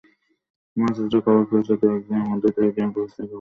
মাসুদরা খবর পেয়েছে, দু-এক দিনের মধ্যেই তাদের গ্রামে পাকিস্তানিরা ক্যাম্প বসাতে আসবে।